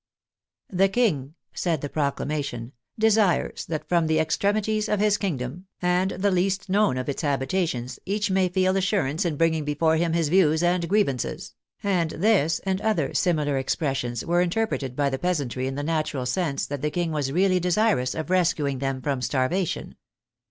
" The King," said the proclamation, " desires that from the ex tremities of his kingdom, and the least known of its habi tations, each may feel assurance in bringing before him his views and grievances," and this and other similar ex pressions were interpreted by the peasantry in the natural sense that the King was really desirous of rescuing them 8 THE FRENCH REVOLUTION from starvation.